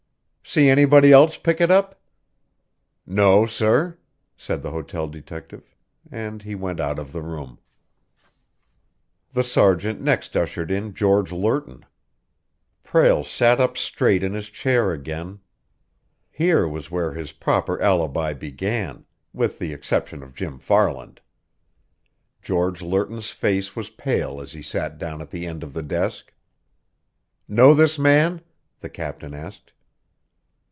"See anybody else pick it up?" "No, sir," said the hotel detective; and he went out of the room. The sergeant next ushered in George Lerton. Prale sat up straight in his chair again. Here was where his proper alibi began, with the exception of Jim Farland. George Lerton's face was pale as he sat down at the end of the desk. "Know this man?" the captain asked.